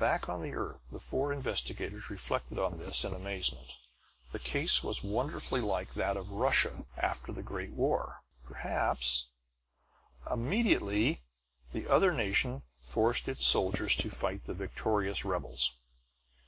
Back on the earth the four investigators reflected on this in amazement. The case was wonderfully like that of Russia after the great war. Perhaps "Immediately the other nation forced its soldiers to fight the victorious rebels.